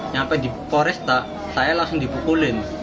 sampai dikoresta saya langsung dibukulin